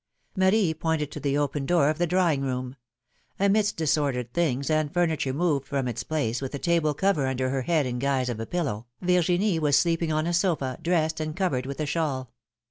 Marie pointed to the open door of the drawing room. Amidst disordered things, and furniture moved from its place, with a table cover under her head in guise of a pillow, Virginie was sleeping on a sofa, dressed, and covered with a shawl.